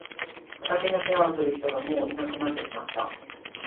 畑の世話をする人がもういなくなってしまった。